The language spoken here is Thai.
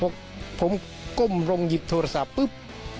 พอผมก้มลงหยิบโทรศัพท์ปุ๊บ